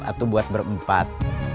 atau buat berempat